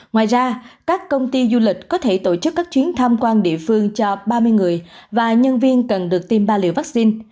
ngoài ra các công ty du lịch có thể tổ chức các chuyến tham quan địa phương cho ba mươi người và nhân viên cần được tiêm ba liều vaccine